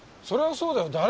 それはそうだよ。